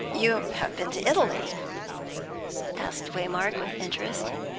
"You have been in Italy?" asked Waymark, with interest.